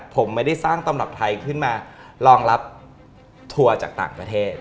ผมไม่ได้สร้างตำรับไทยขึ้นมารองรับทัวร์จากต่างประเทศ